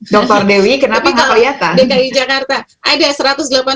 dokter dewi kenapa gak kelihatan